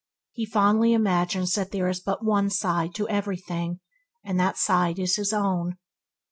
He fondly imagines that there is but one side to everything, and that side is his own.